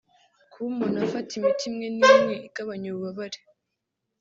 Kuba umuntu afata imiti imwe n’imwe igabanya ububabare